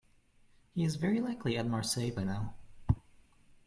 He is very likely at Marseille by now.